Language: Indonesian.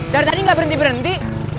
dari tadi nggak berhenti berhenti